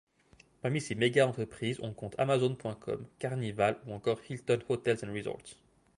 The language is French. Parmi ces méga-entreprises, on compte Amazon.com, Carnival ou encore Hilton Hotels & Resorts.